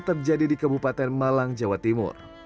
terjadi di kabupaten malang jawa timur